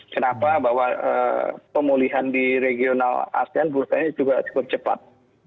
kenapa bahwa pemulihan di regional asean bursanya juga cukup cepat